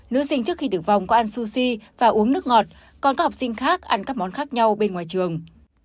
nữ sinh trước khi tử vong có ăn sushi và uống nước ngọt còn các học sinh khác ăn các món khác nhau bên ngoài trường